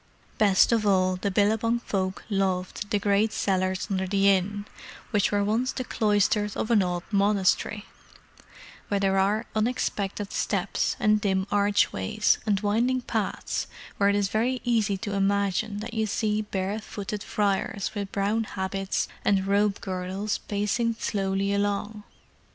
Best of all the Billabong folk loved the great cellars under the inn, which were once the cloisters of an old monastery: where there are unexpected steps, and dim archways, and winding paths where it is very easy to imagine that you see bare footed friars with brown habits and rope girdles pacing slowly along.